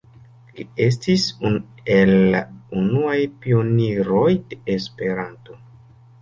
Li estis unu el la unuaj pioniroj de Esperanto.